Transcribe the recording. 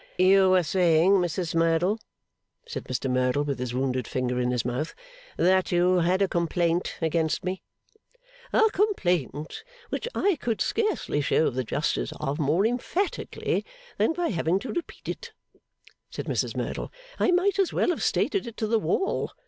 'You were saying, Mrs Merdle,' said Mr Merdle, with his wounded finger in his mouth, 'that you had a complaint against me?' 'A complaint which I could scarcely show the justice of more emphatically, than by having to repeat it,' said Mrs Merdle. 'I might as well have stated it to the wall.